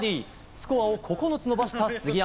スコアを９つ伸ばした杉山。